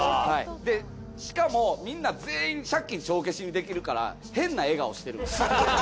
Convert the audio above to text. でしかもみんな全員借金帳消しにできるから変な笑顔してるんですよ。